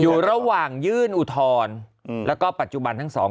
อยู่ระหว่างยื่นอุทธรณ์แล้วก็ปัจจุบันทั้งสอง